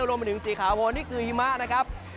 รวมไปถึงสีขาวโวนนี่คือหิมะนะครับ